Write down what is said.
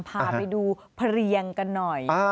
พาไปดูเพลียงกันหน่อย